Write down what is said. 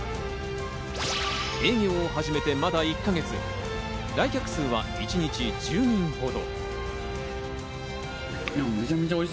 営業を始めてまだ１か月、来客数は一日１０人ほど。